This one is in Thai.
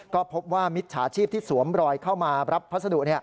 ก็พบว่ามิจฉาชีพที่สวมรอยเข้ามารับพัสดุ